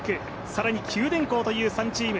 更に九電工という３チーム。